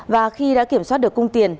và khi đã kiểm soát được cung tiền